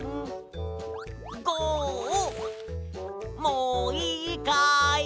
もういいかい？